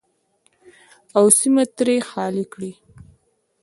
او سیمه ترې خالي کړي.